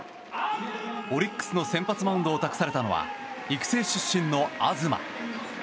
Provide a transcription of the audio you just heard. オリックスの先発マウンドを託されたのは育成出身の東。